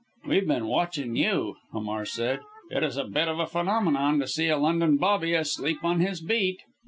"We've been watching you!" Hamar said. "It is a bit of a phenomenon to see a London bobby asleep on his beat."